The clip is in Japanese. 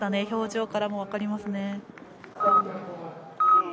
表情からも分かりますね。